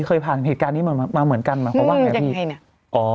เคยผ่านเหตุการณ์นี้มาเหมือนกันหมายความว่าไงพี่เนี่ย